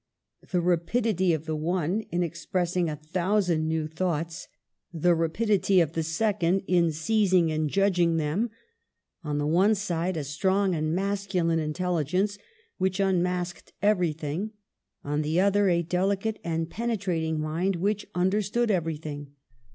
The rapidity of the one in expressing a thousand new thoughts, the rapidity of the second in seizing and judging them ; on the one side a strong and masculine intelligence which unmasked every thing, on the other a delicate and penetrating mind which understood everything.